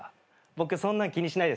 僕そんなん気にしないですし。